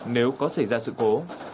nếu có xảy ra sự cố